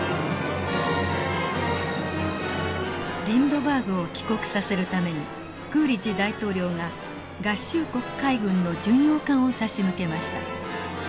リンドバーグを帰国させるためにクーリッジ大統領が合衆国海軍の巡洋艦を差し向けました。